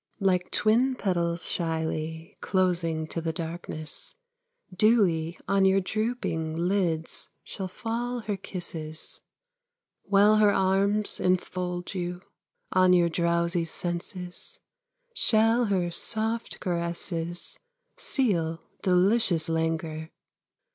Like twin petals shyly Closing to the darkness, Dewy on your drooping Lids shall fall her kisses. While her arms enfold you, On your drowsy senses Shall her soft caresses Seal delicious languor.